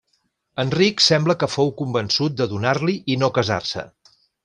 Enric sembla que fou convençut de donar-li i no casar-se.